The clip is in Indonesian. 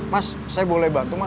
mas saya boleh bantu mas